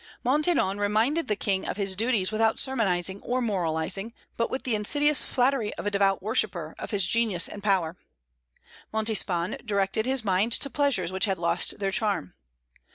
Maintenon reminded the King of his duties without sermonizing or moralizing, but with the insidious flattery of a devout worshipper of his genius and power; Montespan directed his mind to pleasures which had lost their charm.